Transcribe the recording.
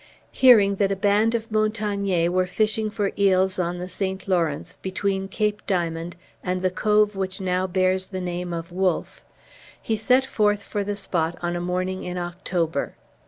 Hearing that a band of Montagnais were fishing for eels on the St. Lawrence, between Cape Diamond and the cove which now bears the name of Wolfe, he set forth for the spot on a morning in October.